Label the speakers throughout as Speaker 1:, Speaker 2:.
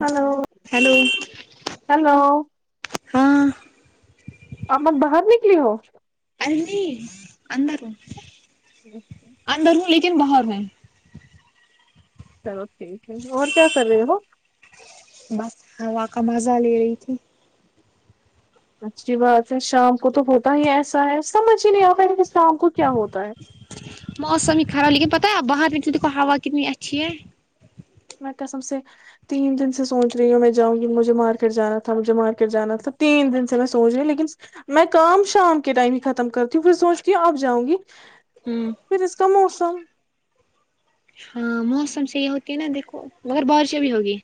Speaker 1: hello
Speaker 2: hello
Speaker 1: hello
Speaker 2: ہاں
Speaker 1: امن باہر نکلی ہو
Speaker 2: نہیں اندروں
Speaker 1: اچھا [unintelligible]
Speaker 2: کن باہر میں
Speaker 1: س ٹھیک ہے اور کیا کر رہے ہو
Speaker 2: بس ہوا کا مزہ لے رہی تھی
Speaker 1: اچھی بات ہے شام کو تو ہوتا ہی ایسا ہے سمجھ ہی نہیں آتا کہ شام کو کیا ہوتا ہے
Speaker 2: موسم ہی خراب لیکن پتا ہے باہر میں دیکھو ہوا کتنی اچھی ہے
Speaker 1: میںسم سے تین دن سے سوچ رہی ہوں میں جاؤں گی مجھے مارکیٹ جانا تھا مجھے مارکیٹ جانا تھا تین دن سے میں سوچ رہی ہوں لیکن میں کام شام کے ٹائم ہی ختم کرتی ہوں پ سوچ کےوں ا جؤں گی
Speaker 2: ہوں
Speaker 1: سموسا
Speaker 2: ہاں موسم سےی یہ ہوتی ہے نا دیکھو مگر بارشیں بھی ہوگی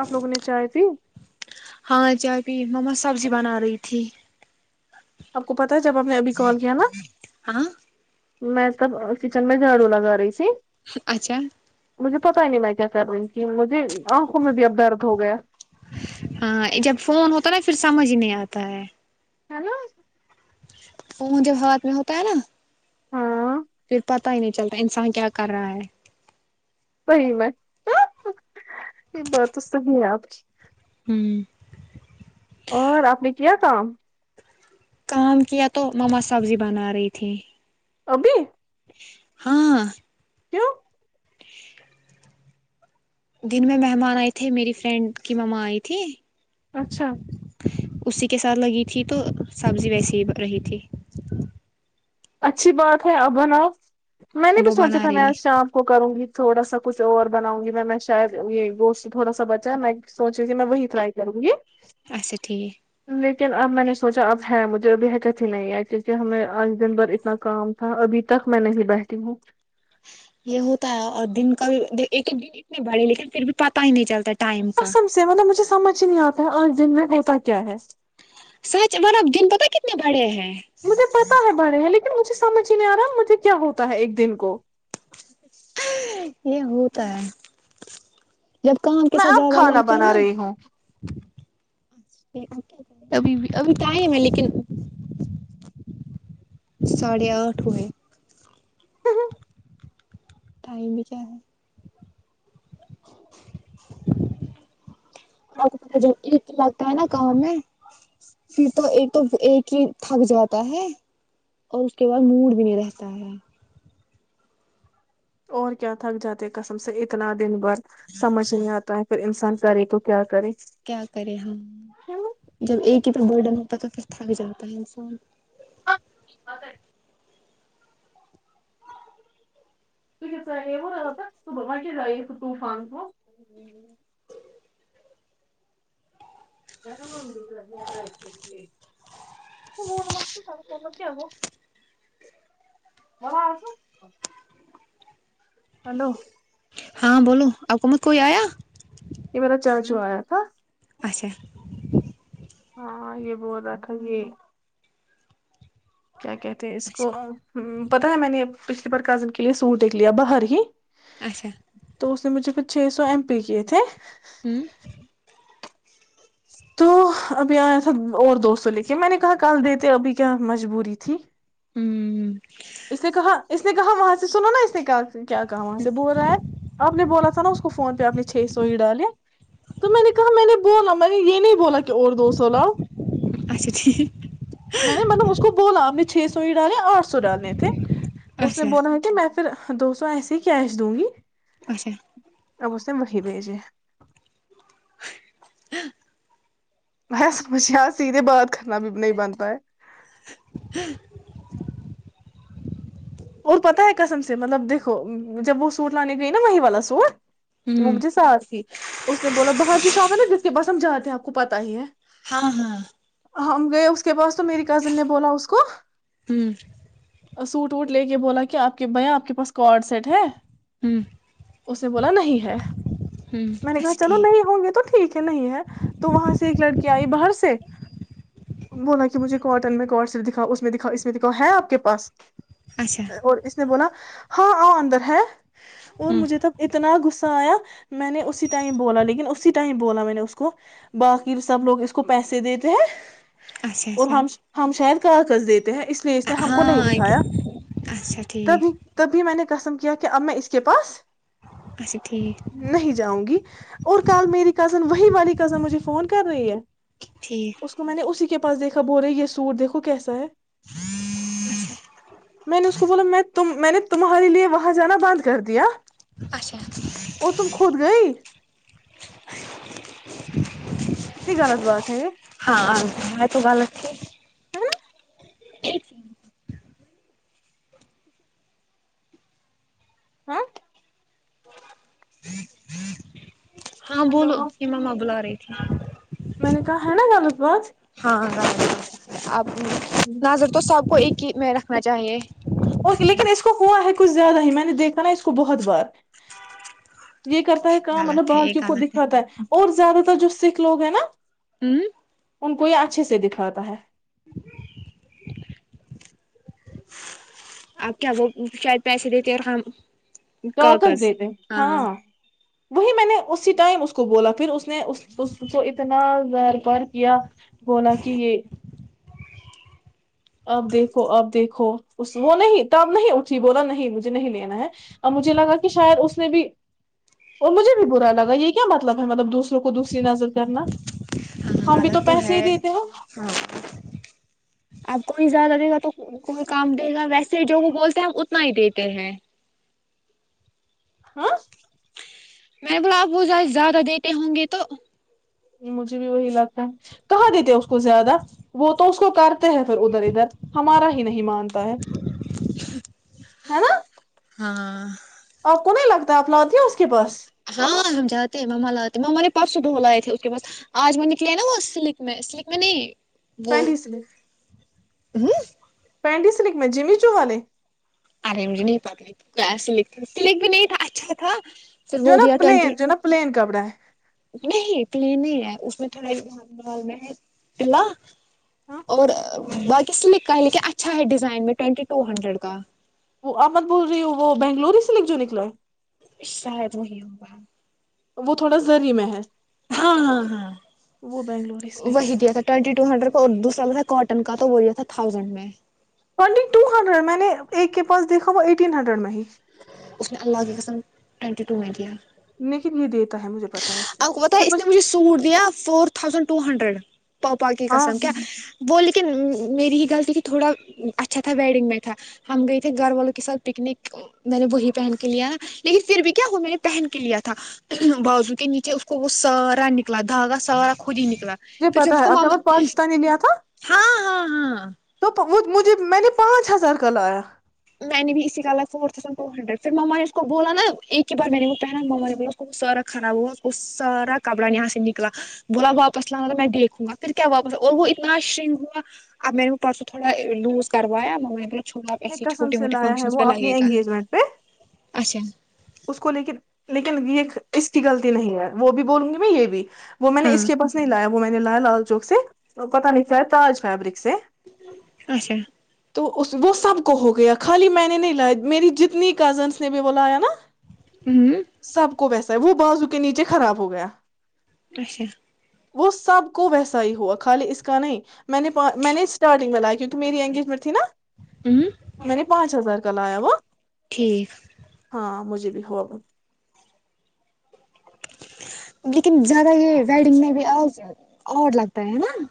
Speaker 1: آپ لوگوں نے چاہے تھی
Speaker 2: ہاں جاب مما سبزی بنا رہی تھی
Speaker 1: آپ کو پت جب آپ نے ابھی کال کیا نا
Speaker 2: ہاں
Speaker 1: میں سب کچن میں جھاڑو لگا رہی ت
Speaker 2: اچھا
Speaker 1: مجھے پتا نہیں میں کیا کر رہی ہوں کی مجھے آنکھوں میں بھی اب درد ہو گیا
Speaker 2: ہاں جب فون ہوتا ہے نا پھر سمجھ ہی نہیں آتا ہے
Speaker 1: ہیلو
Speaker 2: ا جب ہات میں ہوتا ہے نا
Speaker 1: ہاں
Speaker 2: پھر پتا ہی نہیں چلتا انسان کیا کر رہا ہے
Speaker 1: صی میں یہ باتات تو سنی ہے آپ کی
Speaker 2: ہوں
Speaker 1: اور آپ نے کیا کام
Speaker 2: کام کیا تو مما سبزی بنا رہی تھی
Speaker 1: ابھی
Speaker 2: ہاں
Speaker 1: کیوں
Speaker 2: دن میں مہمان آئے تھے میری فرینڈ کی مما آئی تھی
Speaker 1: اچھا
Speaker 2: اسی کے ساتھ لگی تھی تو سبزی ویسی ہی رہی تھی
Speaker 1: اچھی بات ہے ابن آ میں
Speaker 2: ہم
Speaker 1: نے بھی
Speaker 2: وہ
Speaker 1: سوچا
Speaker 2: بنا
Speaker 1: تھا میں
Speaker 2: رہی
Speaker 1: آج
Speaker 2: ہے
Speaker 1: شام کو کروں گی تھوڑا سا کچھ اور بناؤں گی میں میں شاید یہ گوشت تھوڑا سا بچا ہے میں سوچی ت میں وہی ٹرائی کروں گی
Speaker 2: اچھا ٹھیک
Speaker 1: لیکن اب میں نے سوچا اب ہے مجھے اب حٹت ہی نہیں ہے کیونکہ ہمیں آج دن بھر اتنا کام تھا ابھی تک میں نہیں بیٹھی ہوں
Speaker 2: یہ ہوتا ہے اور دن کل ایک ایک دن اتنی بڑی لیکن پھر بھی پتا ہی نہیں چلتا ٹائم کا
Speaker 1: سم سے مطلب مجھے سمجھ کچھ نہیں آتا اور دن میں رہتا کیا ہے
Speaker 2: سچ بار اب دن پتتا کتنے بڑے ہیں
Speaker 1: مجھے پتا ہے بڑے ہیں مجھے سمجھ نہیں آ رہا مجھے کیا ہوتا ہے ایک دن کو
Speaker 2: یہ ہوتا ہے جب کام کے
Speaker 1: میں
Speaker 2: ساتھ
Speaker 1: اب
Speaker 2: زیادہ
Speaker 1: کھانا
Speaker 2: لگتے ہیں
Speaker 1: بنا
Speaker 2: نا
Speaker 1: رہی ہوں
Speaker 2: ابھی ابھی ٹائم ہے لیکن ساڑھے آٹھ ہوئے
Speaker 1: ہ [inaudible]
Speaker 2: ٹائم بھی کیا ہے پ کو پ جب ایک لگتا ہے نا کااں میں پھر تو ایک تو ایک ہی تھک جاتا ہے اور اس کے بعد موڈ بھی نہیں رہتا ہے
Speaker 1: اور کیا تھک جاتے قسم سے اتنا دن بھر سمجھ نہیں آتا ہے پھر ان سے پسان کرے کو کیا کرے
Speaker 2: کیا کرے ہم
Speaker 1: ہیلو
Speaker 2: جب ایک [inaudible] کی پ بڈن ہوتا تو پھر تھ بھی جاتا ہے انسان
Speaker 1: اک [inaudible] تو ک چ آ وہا را پ صبح و ک آیے طوفان ط م س کیا وہ م آس ہلو
Speaker 2: ہاں بولو آپکومت کوئی آیا
Speaker 1: یہ میرا چرج آیا تھا
Speaker 2: اچھا
Speaker 1: ہاں یہ بہت ا تھاا یہ کیا کہتے ہیں اس کو
Speaker 2: اچھا
Speaker 1: پتاہ ہے میں نے پچھلی بار کزن کے لیے سوٹ د لیا باہر ہی
Speaker 2: اچھا
Speaker 1: مجب چھ سو ایم پے کےے تھ ہیں
Speaker 2: ہوں
Speaker 1: تو ابھی آیا تھا اور دوستوں لے کے میں نے کہا کال دیتے ابھی کیا مجبوری تھی
Speaker 2: ہوں
Speaker 1: اس نے کہا اس نے کہا وہاں سے سناو نا اس نے کہا کیا کہا وہاں سے بول رہا ہے آپ نے بولا تھا نا اس کو فون پہ آپ نے چھ سو ہی ڈالے تو میں نے کہا میں نے بولا میں نے یہ نہیں بولا کہ اور دو سو لاؤ
Speaker 2: اچھا ٹھیک
Speaker 1: میں نے مطلب اس کو بولا آ نے چھ سو ہی ڈالیں آٹھ سو ڈالیں اس نے
Speaker 2: اچھا
Speaker 1: بونا ہے کہ میں پھر دو سو ایسے ہی کیش دوں گی
Speaker 2: اچھا
Speaker 1: اوستہ محی پہج میں سمجھے سیدھے بعد کھانا بھی نہیں بن پا ہے
Speaker 2: [unintelligible]
Speaker 1: اور پتا ہے کسم سے مطلب دیکھو جب وہ سوٹ لانے گئی نا وہیں والا سوٹ وہ
Speaker 2: ہوں
Speaker 1: مجھے سار تھی اس نے بولا باہر جو شام ہے نا کے بس ہم جاتے ہیں آپ کو پتا ہی ہے
Speaker 2: ہاں ہاں
Speaker 1: ہم گئے اس کے پاس تو میری کزن نے بولا اس کو
Speaker 2: ہوں
Speaker 1: سوٹ وٹ لے کے بولا کہ آپ کے بھیا آپ کے پاس کڈ سیٹ ہے
Speaker 2: ہوں
Speaker 1: اس نے بولا نہیں ہے
Speaker 2: ہوں
Speaker 1: میں نے کہا
Speaker 2: اچھا
Speaker 1: چلو
Speaker 2: ٹھیک
Speaker 1: نہیں ہوں گے تو ٹھیک ہے نہیں ہے تو وہاں سے ایک لڑکی آئی باہر سے بولا کہ مجھے کاٹن میں کڈ صرف دکھاؤ اس میں دکھا اس میں دکھاؤ ہے آپ کے پاس
Speaker 2: اچھا
Speaker 1: اور اس نے بولا ہاں ا اندر ہے اور
Speaker 2: ہوں
Speaker 1: مجھے تب اتنا گغصہ سایاں میں نے اسی ٹائم بولا لیکن اسی ٹائم بولا میں نے اس کو باقی سب لوگ اس کو پیسے دیتے ہیں
Speaker 2: اچھا
Speaker 1: اور
Speaker 2: اچھا
Speaker 1: ہم ہم شاید کا کذ دیتے ہیں اس لیے اس نے ہم کو نہیں
Speaker 2: ہاں
Speaker 1: دکھایا
Speaker 2: اچھا ٹھیک
Speaker 1: تبھی تبھی میں نے کسم کیا کہ اب میں اس کے پاس
Speaker 2: اچھا ٹھیک
Speaker 1: نہیں جاؤں گی اور کل میری کزن ی والی کزن مجھے فون کر رہی ہے
Speaker 2: ٹھیک
Speaker 1: اس کو میں نے اسی کے پاس دیکھا ب ہو رہے یہ سوٹ دھو کیسا ہے
Speaker 2: ہاں
Speaker 1: میں نے اس کو بولا میں تم میں نے تمہارے لیے وہاں جانا بند کر دیا
Speaker 2: اچھا
Speaker 1: اور تم خود گئی کتنی غلط بات ہے یہ
Speaker 2: ہاں ب تو بالوچھی
Speaker 1: ہے
Speaker 2: ایک س
Speaker 1: ہاں
Speaker 2: ہاں بولو
Speaker 1: ہلو
Speaker 2: ہماما بلا رہی تھی
Speaker 1: میں نے کہا ہے نا غلط بات
Speaker 2: ہاں اب
Speaker 1: ٹھیک ہے
Speaker 2: نظر تو سب کو ایک کہ میں رکھنا چاہیے
Speaker 1: اور لیکن اس کو ہوا ہے کچھ زیادہ ہی میں نے دیکھا نا اس کو بہت بار یہ کرتا ہے کام مطلب
Speaker 2: غلط ہے
Speaker 1: باہر
Speaker 2: یہ
Speaker 1: کیوں کو
Speaker 2: غلط
Speaker 1: دکھاتا ہے اور زیادہ تر جو سکھ لوگ ہے نا
Speaker 2: ہوں
Speaker 1: ان کو یہ اچھے سے دکھاتا ہے
Speaker 2: آپ کیا وہ شاید پیسے دیتے اور ہم
Speaker 1: توکس دیتے ہاں وہی میں نے اسی ٹائم اس کو بولا پھر اس اس اس کو اتنا بار پار کیا گولا کہ یہ اب دیکھو اب دیکھو اس وہ نہیں ت اب نہیں اٹھی بولا نہیں مجھے نہیں لینا ہے اب مجھے لگا کہ شاید اس نے بھی اور مجھے بھی برا لگا یہ کیا مطلب ہے مطلب دوسروں کو دوسری نظر کرنا
Speaker 2: ہاں
Speaker 1: ہم بھی تو
Speaker 2: غلط
Speaker 1: پیسے ہی
Speaker 2: ہے
Speaker 1: دیتے ہو
Speaker 2: ہاں زدہ دے گا تو کوئی کام دے گا ویسے جو وہ بولتے ہیں اتنا ہی دیتے ہیں
Speaker 1: ہاں
Speaker 2: میں بولا آپ وہ جائے زیادہ دیتے ہوں گے تو
Speaker 1: مجھے بھی وہی لگتا ہے کہاں دیتے اس کو زیادہ وہ تو اس کو کرتے ہیں پھر ادھر ادھر ہمارا ہی نہیں مانتے باہر ہے نا
Speaker 2: ہاں
Speaker 1: آپ نہیں لگتا ہے اپناادھی اس کے پاس
Speaker 2: ہاں سمجااتتے مما ل ہوتے مم پبس د لئے تھے اس کے پس آج وہ نکلے نا وہ سلک میں سلک میں نہیں وہ
Speaker 1: پانڈی سلک
Speaker 2: ہوں
Speaker 1: پینڈی سلک میں جیمی جو والے
Speaker 2: ارے مجھے نہیں پتاسل سلک بھی نہیں تھا اچھا تھا پھر
Speaker 1: جو
Speaker 2: وہ
Speaker 1: نا
Speaker 2: دیا
Speaker 1: پلین
Speaker 2: ٹوینٹی
Speaker 1: جو ہے نا پلین کپڑا ہے
Speaker 2: نہیں پلین ہی ہے اس میں تھوڑاال میں ہے
Speaker 1: ہے
Speaker 2: اور باقی سلک کا ہے لیکن اچھا ہے ڈیزائن میں ٹوینٹی ٹو ہنڈریڈ کا
Speaker 1: وہ احمد بول رہی ہ وہ بنگلور ہی سے لے جو نکلا ہے
Speaker 2: شاید وہی ہوگا
Speaker 1: وہ تھوڑا ضری م ہے
Speaker 2: ہاں ہاں ہاں
Speaker 1: وہ بنگلوری سلک ہے
Speaker 2: وہی دیا تھا ٹینٹی ٹو ہنڈریڈ اور دوسرا تھا کاٹن کا تو وہ یہ تھاؤزینڈ میں
Speaker 1: ٹونٹی ٹو ہنڈریڈ میں نے ایک کے پاس دیکھا وہ ایٹین ہنڈریڈ میں ہی
Speaker 2: اس میں اللہ ہی گسم ٹوینٹی ٹو میںٹییا
Speaker 1: لیکت یہ دیتا ہے مجھے پتا ہے اس
Speaker 2: آپ کو بتا
Speaker 1: پھر
Speaker 2: اس
Speaker 1: مجھ
Speaker 2: نے مجھے سوٹ دیا فور تھاؤزینڈ ٹو ہنڈریڈ پاؤپا کی
Speaker 1: ہاں
Speaker 2: قسم کیا
Speaker 1: مجھے
Speaker 2: وہ لکھ میری ہی غلط کہ تھوڑا اچھا تھا ویڈنگ میں تھا ہم گئے تھے گھر والوں کے ساتھ پکنک میں نے وہی پہن کے لیا نا لیکن پھر بھی کیا ہو میں نے پہن کے لیا تھا بازو کے ن کہ اس کو وہ سارا نکلا دھاگا سارا نکلا پھر
Speaker 1: پتا
Speaker 2: جب
Speaker 1: ہے
Speaker 2: کو
Speaker 1: آپ نے بہت
Speaker 2: ماما
Speaker 1: پاکستانی لیا
Speaker 2: ہاں ہاں ہاں
Speaker 1: تو وہ مجھے میں نے پانچ ہزار کا لایا
Speaker 2: میں نے بھی اسی کالا فور تھازینڈ ٹ ہنڈریڈ پھر مما نے اس کو بولا نا ایک ہی بار میں نے وہ پہنا مما نے بولا سارا خراب ہوا سارا کپڑا یہاں سے نکلا بولا واپس لا میں دیک وں گا پھر کیا واپس اور وہ اتنا شنگ ہوا اب میں نے پرسوں تھوڑا لوز کروایا چ مب ای
Speaker 1: سم سے لایا ہے وہ اپنی انگیجمنٹ پہ
Speaker 2: اچھا
Speaker 1: اس کو لیکن لیکن یہ اس کی غلطی نہیں ہے وہ بھی بولوں گی میں یہ بھی وہ میں نے اس
Speaker 2: ہاں
Speaker 1: کے پاس نہیں لایا وہ میں نے لال چوک سے اور پتا نکلا ہے تاج فیبرک سے
Speaker 2: اچھا
Speaker 1: تو وہ سب کو ہو گیا خالی میں نے نہیں لا میری جتنی کزنس نے بھی بلایا نا
Speaker 2: ہوں
Speaker 1: سب کو ویسا ہے وہ بازو کے نیچے خراب ہو گیا
Speaker 2: اشا
Speaker 1: وہ سب کو ویسا ہی ہوا خالی اس کا نہیں میں نے میں نے اسٹارٹنگ میں لیا کیونکہ میری انگیجمنٹ تھی نا
Speaker 2: ہوں
Speaker 1: میں نے پانچ ہزار ک ل آیا وا
Speaker 2: ٹھیک
Speaker 1: ہاں مجھے بھی ہواب
Speaker 2: لیکن زیادہ یہ ویڈنگ میں بھی اور لگتا ہے ہے نا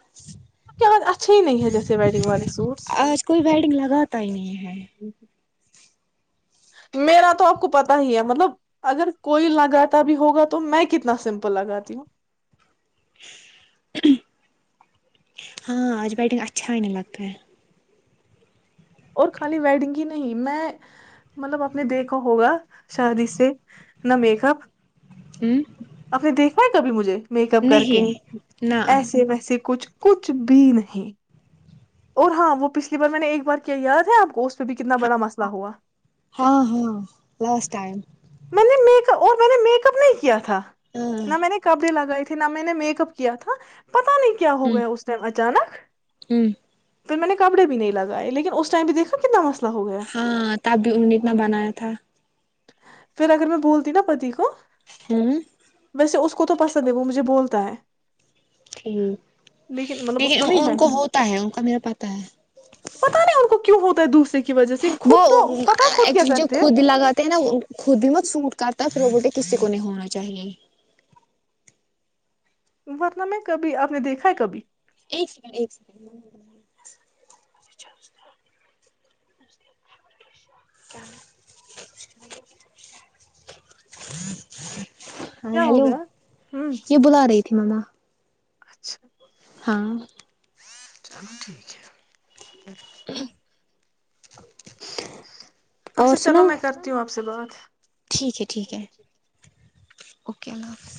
Speaker 1: کے ب اچھے ہی نہیں ہے جیسے ویڈنگ والے سوٹس
Speaker 2: آج کوئی ویڈنگ لگاتا ہی نہیں ہے
Speaker 1: میرا تو آپ کو پتا ہی ہے مطلب اگر کوئی لگاتا بھی ہوگا تو میں کتنا سمپل لگاتی ہوں
Speaker 2: ہاں آج بیٹگ اچھا ہی نہیں لگتا ہے
Speaker 1: اور خالی ویڈنگ ہی نہیں میں مطلب آپ نے دیکھا ہوگا شادی سے ن میکیک اپ
Speaker 2: ہوں
Speaker 1: اپنے دیکھ کبھی مجھے میک اپ کر کے
Speaker 2: نہیں نہ
Speaker 1: ایسے ویسے کچھ کچھ بھی نہیں اور ہاں وہ پچھلی بار میں نے ایک بار کیا یاد ہے آپ کو اس پہ بھی کتنا بڑا مسئلہ ہوا
Speaker 2: ہاں ہاں لاسٹ ٹائم
Speaker 1: میں نے میک اور میں نے میک اپ نہیں کیا تھا
Speaker 2: ہاں
Speaker 1: نہ میں نے کپڑی لگائی تھی ن میں نے میک اپ کیا تھا پت نہیں کیا ہو
Speaker 2: ہوں
Speaker 1: گیا اس ٹائم اچانک
Speaker 2: ہوں
Speaker 1: پھر میں نے کپڑے بھی نہیں لگائے لیکن اس ٹائم بھییکھا کتنا مست
Speaker 2: ہاں تب بھی انہوں نے اتنا بنایا تھا
Speaker 1: پھر اگر میں بولتی ہ نا پتی کو
Speaker 2: ہوں
Speaker 1: ویسے اس کو تو پسند ہے وہ مجھے بولتا ہے
Speaker 2: ٹھ
Speaker 1: مطلب اس
Speaker 2: لیکن
Speaker 1: نہیں ہے
Speaker 2: ان کو ہوتا ہے ان کا میرا پتا ہے
Speaker 1: دوسے
Speaker 2: وہ ایک جو
Speaker 1: ہیں
Speaker 2: خودی لگاتے ہیں نا خودی مت سٹ کرتا ہے پھر وہ کسی کو نہیں ہونا چاہیے
Speaker 1: ورنہ میں ہے کبھی آپ نے دیکھا ہے کبھی
Speaker 2: ایک سیکنڈ ایک سیکڈ ہ ہاں
Speaker 1: کیا ہو
Speaker 2: ہیلو
Speaker 1: گیا ہ
Speaker 2: یہ بلا رہی تھی مما
Speaker 1: اچھا
Speaker 2: ہاں
Speaker 1: چلو ٹھیک ہے
Speaker 2: اور
Speaker 1: اچھا چلو
Speaker 2: سناؤ
Speaker 1: میں کرتی ہوں آپ سے بات ٹھیک ہے ٹھیک ہے
Speaker 2: اوکے اللہ حافظ